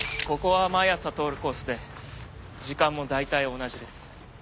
ここは毎朝通るコースで時間も大体同じです。